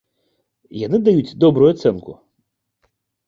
Яны даюць добрую ацэнку.